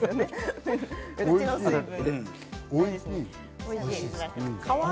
おいしい！